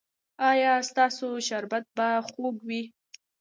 ایا ستاسو شربت به خوږ وي؟